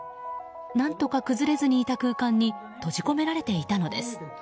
何とか崩れずにいた空間に閉じ込められていたのです。